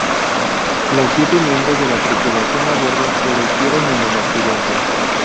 Los siete miembros de la tripulación a bordo perecieron en el accidente.